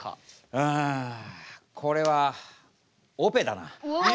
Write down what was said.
うんこれはオペだな。